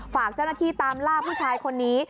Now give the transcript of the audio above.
ฝากเจ้าหน้าที่ตามล่าผู้ชายคนนี้